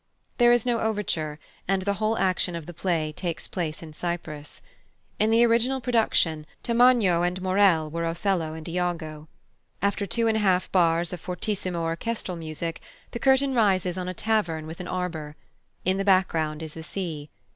There is no overture, and the whole action of the piece takes place in Cyprus. In the original production Tamagno and Maurel were Othello and Iago. After two and a half bars of fortissimo orchestral music, the curtain rises on a tavern with an arbour. In the background is the sea.